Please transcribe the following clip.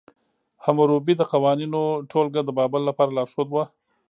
حموربي د قوانینو ټولګه د بابل لپاره لارښود وه.